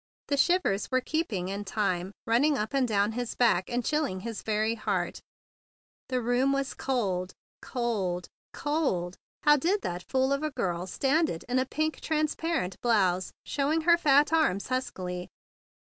The shivers were keeping in time running up and down his back, and chilling his very heart. The room was cold, cold, cold! How did that fool of a girl stand it in a pink trans 104 THE BIG BLUE SOLDIER parent blouse, showing her fat arms huskily?